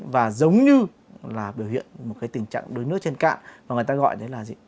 và giống như là biểu hiện một cái tình trạng đuối nước trên cạn và người ta gọi đấy là gì